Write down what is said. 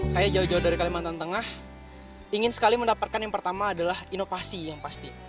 saya jauh jauh dari kalimantan tengah ingin sekali mendapatkan yang pertama adalah inovasi yang pasti